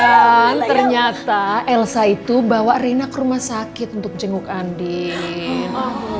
dan ternyata elsa itu bawa rena ke rumah sakit untuk jenguk andin